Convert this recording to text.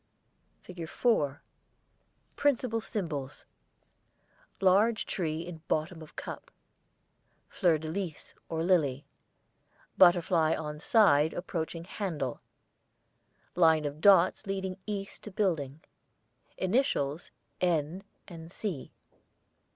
[ILLUSTRATION 4] FIG. 4 Principal Symbols: Large tree in bottom of cup. Fleur de lys (or lily). Butterfly on side approaching handle. Line of dots leading east to Building. Initials 'N' and 'C.'